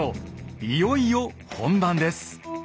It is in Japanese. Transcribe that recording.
いよいよ本番です。